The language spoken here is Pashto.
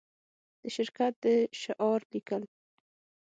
د شرکت د شعار لیکل